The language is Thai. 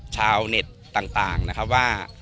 ชาวเน็ตต่างนะครับว่า